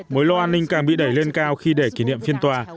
mối lo an ninh càng bị đẩy lên cao khi để kỷ niệm phiên tòa